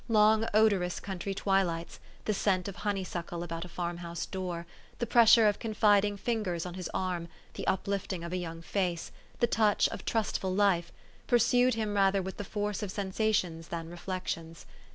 Long odorous country twilights, the scent of honeysuckle about a farmhouse door, the pressure of confiding fingers on his arm, the uplifting of a young face, the touch of trustful life, pursued him rather with the force of sensations than reflections.